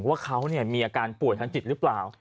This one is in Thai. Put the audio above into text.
ว่าเขามีอาการป่วยทางจิตหรือเปล่า